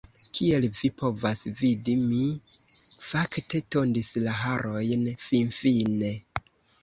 Kiel vi povas vidi mi, fakte, tondis la harojn, finfine.